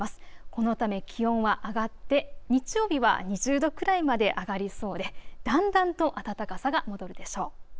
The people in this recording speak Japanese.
このため気温は上がって日曜日は２０度くらいまで上がりそうでだんだんと暖かさが戻るでしょう。